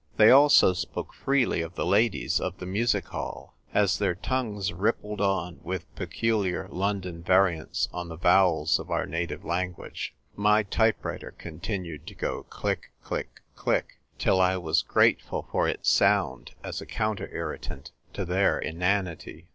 They also spoke freely of the ladies of the music hall. As their tongues rippled on, with peculiar London variants on the vowels of our native language, my type writer continued to go click, click, click, till I was grateful for its sound as a counter irritant to their inanity.